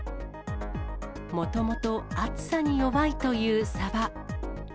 もともと暑さに弱いというサバ。